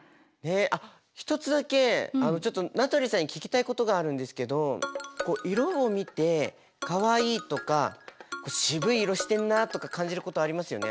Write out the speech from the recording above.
あっ一つだけちょっと名取さんに聞きたいことがあるんですけど色を見てかわいいとかしぶい色してんなとか感じることありますよね。